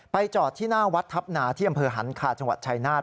จอดที่หน้าวัดทัพนาที่อำเภอหันคาจังหวัดชายนาฏ